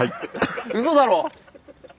うそだろ！